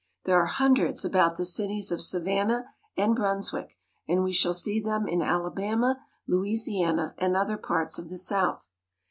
There are hundreds about the cities of Savannah and Brunswick, and we shall see them in Alabama, Louisiana, and other parts of the South.